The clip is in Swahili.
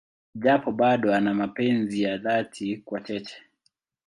Japo bado ana mapenzi ya dhati kwa Cheche.